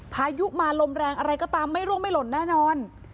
พายุมาลมแรงอะไรก็ตามไม่ร่วงไม่หล่นแน่นอน